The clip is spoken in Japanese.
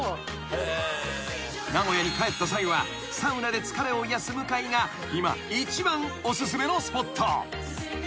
［名古屋に帰った際はサウナで疲れを癒やす向井が今一番お薦めのスポット］